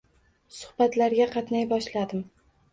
Suhbatlarga qatnay boshladim